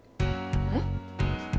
えっ？